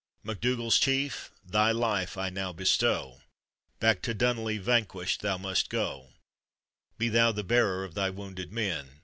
MacDougall's chief, thy life 1 now bestow, Back to Dunolly, vanquished, th 'ii mu«t go; Be thou the bearer of thy wounded men.